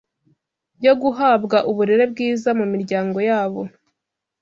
yo guhabwa uburere bwiza mu miryango yabo